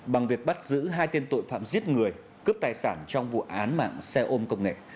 bằng việc bắt giữ hai tên tội phạm giết người cướp tài sản trong vụ án mạng xe ôm công nghệ